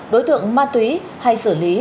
đối tượng ma túy hay xử lý